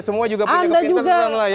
semua juga punya kepitan lah ya